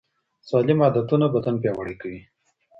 سالم عادتونه بدن پیاوړی کوي.